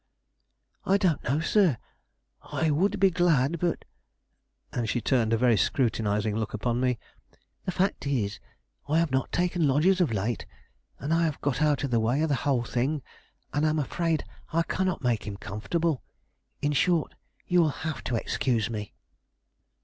"I don't know, sir; I would be glad, but," and she turned a very scrutinizing look upon me, "the fact is, I have not taken lodgers of late, and I have got out of the way of the whole thing, and am afraid I cannot make him comfortable. In short, you will have to excuse me."